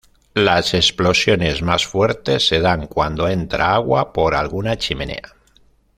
Las explosiones más fuertes se dan cuando entra agua por alguna chimenea.